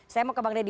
saya mau ke bang dedy